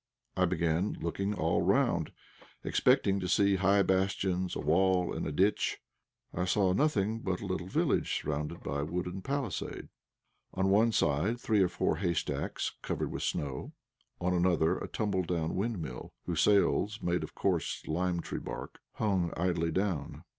I began looking all round, expecting to see high bastions, a wall, and a ditch. I saw nothing but a little village, surrounded by a wooden palisade. On one side three or four haystacks, half covered with snow; on another a tumble down windmill, whose sails, made of coarse limetree bark, hung idly down.